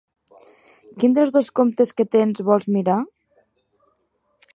Quin dels dos comptes que tens vols mirar?